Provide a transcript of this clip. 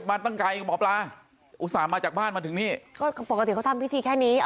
มาตั้งไกลหมอปลาอุตส่าห์มาจากบ้านมาถึงนี้